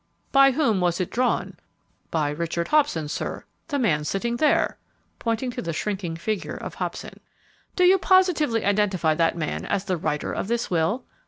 "By whom was it drawn?" "By Richard Hobson, sir; the man sitting there," pointing to the shrinking figure of Hobson. "Do you positively identify that man as the writer of this will?"